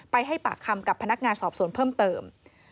ให้ปากคำกับพนักงานสอบสวนเพิ่มเติม